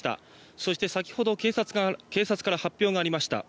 そして先ほど警察から発表がありました。